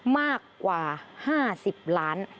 มากกว่า๕๐ล้าน